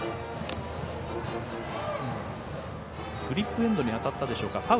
グリップエンドに当たったでしょうか。